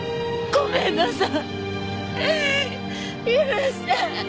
ごめんなさい。